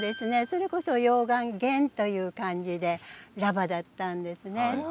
それこそ溶岩原という感じで「ラバ」だったんですね。